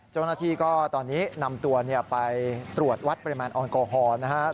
เจ้าหน้าที่ก็ตอนนี้นำตัวไปตรวจวัดปริมาณแอลกอฮอล์นะครับ